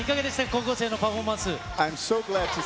高校生のパフォーマンス。